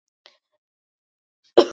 آیا دوی په سیندونو کې چکر نه وهي؟